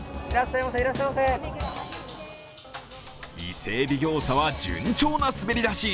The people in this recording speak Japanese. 伊勢海老餃子は順調な滑り出し。